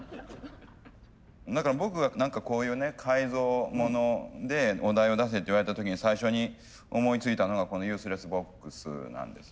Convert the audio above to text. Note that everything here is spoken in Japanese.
だから僕が何かこういうね改造ものでお題を出せって言われた時に最初に思いついたのがこのユースレスボックスなんですよ。